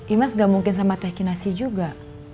imas gak mungkin sama teh kinasi juga